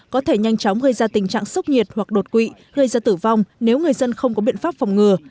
có thể nhanh chóng gây ra tình trạng sốc nhiệt hoặc đột quỵ gây ra tử vong nếu người dân không có biện pháp phòng ngừa